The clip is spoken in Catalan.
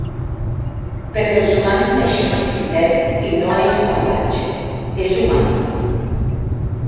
Perquè els humans naixem amb criteri i no és salvatge, és humà!